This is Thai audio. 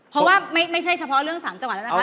เพราะว่าไม่ใช่เฉพาะเรื่อง๓จังหวัดแล้วนะคะ